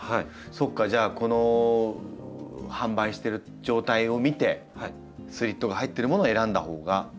そうかじゃあこの販売してる状態を見てスリットが入ってるものを選んだほうが。